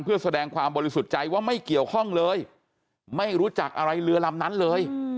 เพื่อแสดงความบริสุทธิ์ใจว่าไม่เกี่ยวข้องเลยไม่รู้จักอะไรเรือลำนั้นเลย